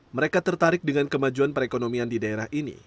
mereka tertarik dengan kemajuan perekonomian di daerah ini